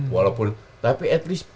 walaupun tapi at least